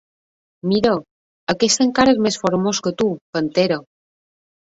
—Mira: aquest encara és més formós que tu, pantera!